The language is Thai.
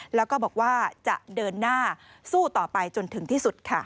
แล้วก็บอกว่าจะเดินหน้าสู้ต่อไปจนถึงที่สุดค่ะ